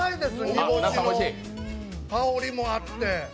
煮干しの香りもあって！